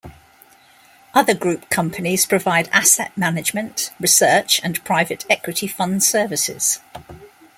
Other group companies provide asset management, research and private equity fund services.